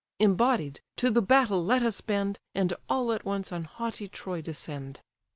Embodied, to the battle let us bend, And all at once on haughty Troy descend."